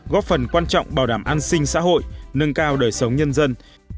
góp phần quan trọng bảo đảm an sinh xã hội nâng cao đời sống nhân dân